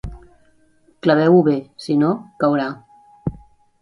Claveu-ho bé, si no, caurà.